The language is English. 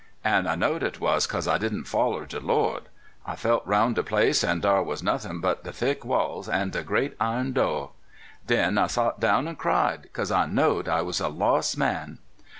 An' I knowed it was 'cause I didn't f oiler de Lord. I felt roun' de place, an' dar was nothin' but de thick walls an' de great iron do'. Den I sot down an' cried, 'cause I knowed I was a los' man.